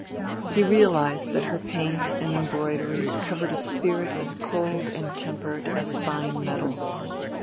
He realized that her paint and embroidery covered a spirit as cold and tempered as fine metal.